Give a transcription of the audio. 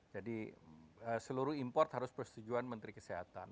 jadi seluruh import harus bersetujuan menteri kesehatan